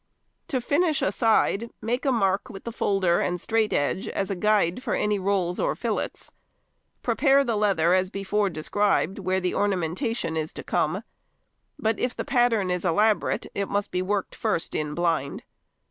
To finish a side, make a mark with the folder and straight edge as a guide for any rolls or fillets. Prepare the leather as before described where the ornamentation is to come; but if the pattern is elaborate it must be worked first in blind.